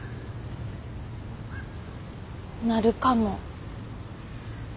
なるかも。